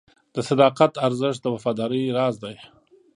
د صداقت ارزښت د وفادارۍ راز دی.